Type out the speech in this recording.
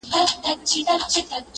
مخ په مړوند کله پټیږي!.